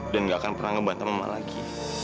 dan gak akan pernah ngebantam mama lagi